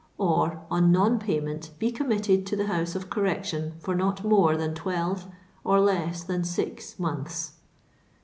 or, on non payment, be committed to the House of Correction for not more than twelve or less than six months."